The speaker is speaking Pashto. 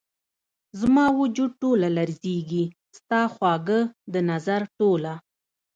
زما وجود ټوله لرزیږې ،ستا خواږه ، دنظر ټوله